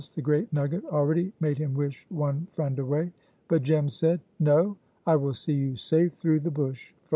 the great nugget already made him wish one friend away. But Jem said: "No, I will see you safe through the bush first."